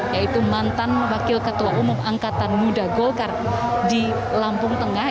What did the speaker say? yaitu mantan wakil ketua umum angkatan muda golkar di lampung tengah